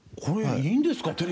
これいいんですか？